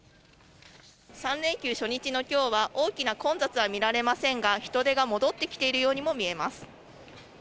３連休初日のきょうは、大きな混雑は見られませんが、人出が戻ってきているようにも見えます。